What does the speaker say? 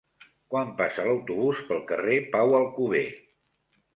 Quan passa l'autobús pel carrer Pau Alcover?